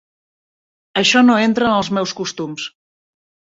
Això no entra en els meus costums.